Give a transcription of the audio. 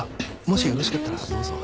もしよろしかったらどうぞ。